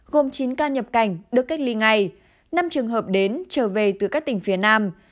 gồm chín ca nhập cảnh được cách ly ngay năm trường hợp đến trở về từ các tỉnh phía nam